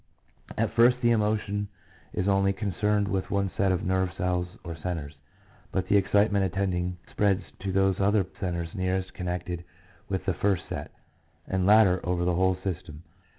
At first the emotion is only concerned with one set of nerve cells or centres, but the excitement attending spreads to those other centres nearest connected with the first set, and later over the whole system.